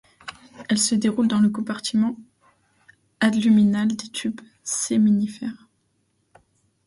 Elle se déroule dans le compartiment adluminal des tubes séminifères.